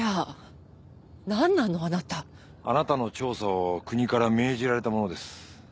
あなたの調査を国から命じられた者です。